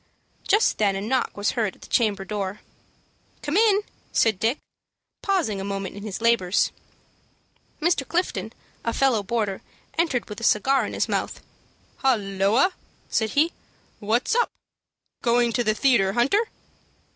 Just then a knock was heard at the chamber door. "Come in!" said Dick, pausing a moment in his labors. Mr. Clifton, a fellow boarder, entered with a cigar in his mouth. "Holloa," said he, "what's up? Going to the theatre, Hunter?"